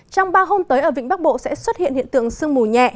trong ba hôm tới ở vịnh bắc bộ sẽ xuất hiện hiện tượng sương mù nhẹ